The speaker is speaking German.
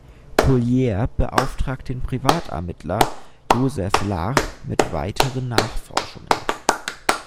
Collier beauftragt den Privatermittler Joseph Larch mit weiteren Nachforschungen.